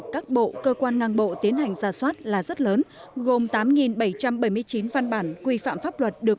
các bộ cơ quan ngang bộ tiến hành ra soát là rất lớn gồm tám bảy trăm bảy mươi chín văn bản quy phạm pháp luật được